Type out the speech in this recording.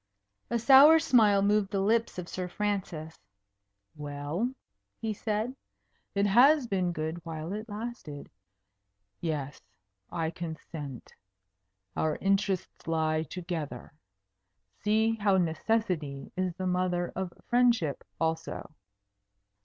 A sour smile moved the lips of Sir Francis. "Well," he said, "it has been good while it lasted. Yes, I consent. Our interests lie together. See how Necessity is the mother of Friendship, also."